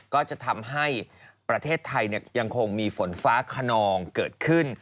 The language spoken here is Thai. ก็จะทำให้ประเทศไทยยังคงมีฝนฟ้าขนองเกิดขึ้น